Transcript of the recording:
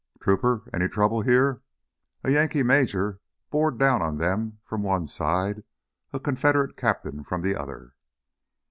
"Trooper, any trouble here?" A Yankee major bore down on them from one side, a Confederate captain from the other.